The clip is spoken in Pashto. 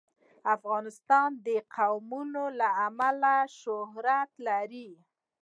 افغانستان د قومونه له امله شهرت لري.